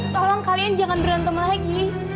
tolong kalian jangan berantem lagi